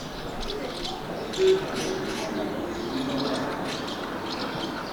The third member of his crew was Liu Wang.